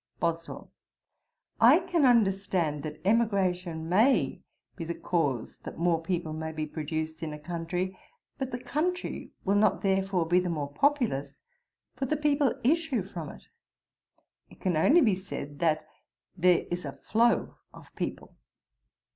BOSWELL. 'I can understand that emigration may be the cause that more people may be produced in a country; but the country will not therefore be the more populous; for the people issue from it. It can only be said that there is a flow of people.